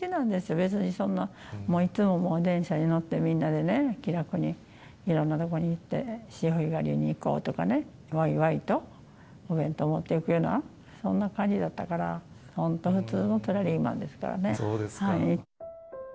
別にそんな、いつも電車に乗って、みんなでね、気楽にいろんな所に行って、潮干狩りに行こうとかね、わいわいとお弁当を持っていくような、そんな感じだったから、本当、そうですか。